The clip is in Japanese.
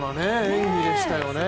演技でしたよね。